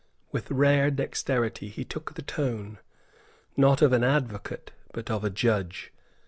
With rare dexterity he took the tone, not of an advocate, but of a judge.